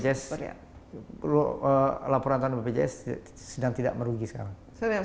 selama ini lumayan laporan laporan bpjs sedang tidak merugi sekarang